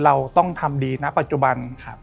เราต้องทำดีนะปัจจุบัน